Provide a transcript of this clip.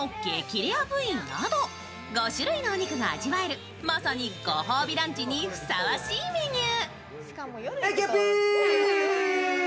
レア部位など５種類のお肉が味わえるまさにご褒美ランチにふさわしいメニュー。